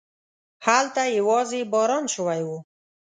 هلته يواځې باران شوی و.